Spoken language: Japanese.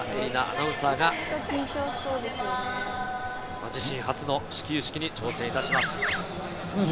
アナウンサーが自身初の始球式に挑戦いたします。